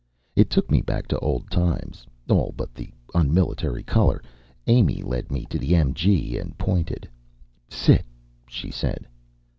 It took me back to old times all but the unmilitary color. Amy led me to the MG and pointed. "Sit," she said.